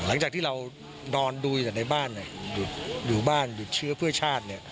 หลังจากที่เรานอนดูอยู่ในบ้านหยุดบ้านหยุดเชื้อเพื่อชาติ